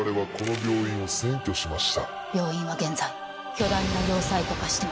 病院は現在巨大な要塞と化してます。